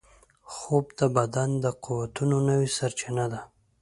خوب د بدن د قوتونو نوې سرچینه ده